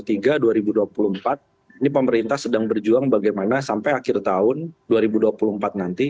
ini pemerintah sedang berjuang bagaimana sampai akhir tahun dua ribu dua puluh empat nanti